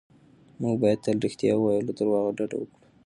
موږ باید تل رښتیا ووایو او له درواغو ډډه وکړو.